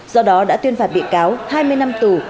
do đó đã tuyên phạt bị cáo hai mươi năm tù